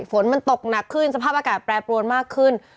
ฝนมันตกหนักขึ้นสภาพอากาศแปรปรวนมากขึ้น